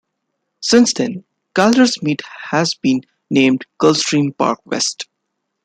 Since then, Calder's meet has been named Gulfstream Park West.